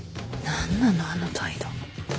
何なのあの態度。